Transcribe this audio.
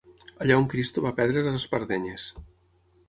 Allà on Cristo va perdre les espardenyes.